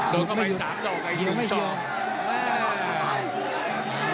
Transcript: โดนเข้าไปสามโดะกับอีกหนึ่งสอง